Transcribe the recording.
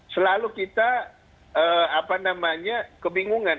selalu kita kebingungan